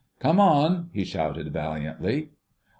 "Come on," he shouted valiantly.